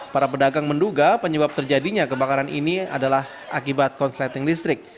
para pedagang menduga penyebab terjadinya kebakaran ini adalah akibat konsleting listrik